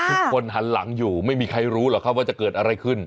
ทุกคนหันหลังอยู่ไม่มีใครรู้หรอกครับว่าจะเกิดอะไรขึ้น